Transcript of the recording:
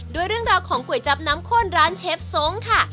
ด้วยเรื่องราวของก๋วยจับน้ำข้นร้านเชฟทรงค่ะ